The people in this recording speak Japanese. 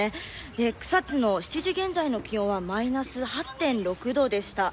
草津の７時現在の気温はマイナス８．６度でした。